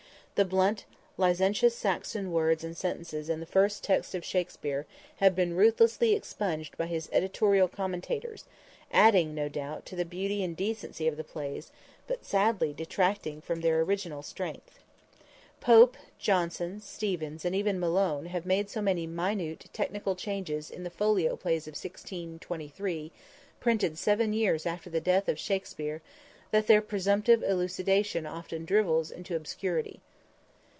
The blunt, licentious Saxon words and sentences in the first text of Shakspere, have been ruthlessly expurgated by his editorial commentators, adding, no doubt, to the beauty and decency of the plays, but sadly detracting from their original strength. Pope, Jonson, Steevens and even Malone have made so many minute, technical changes in the Folio Plays of 1623, printed seven years after the death of Shakspere, that their presumptive elucidation often drivels into obscurity.